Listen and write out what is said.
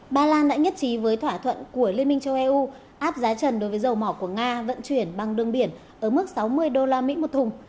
ba lan đã nhất trí với thỏa thuận của liên minh châu eu áp giá trần đối với dầu mỏ của nga vận chuyển bằng đường biển ở mức sáu mươi usd một thùng